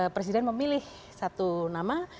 presiden memilih satu nama